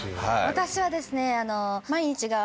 私はですね